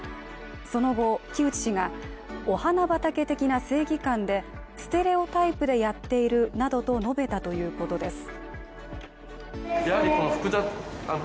その後、城内氏が、お花畑的な正義感でステレオタイプでやっているなどと述べたということです。